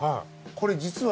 これ実は。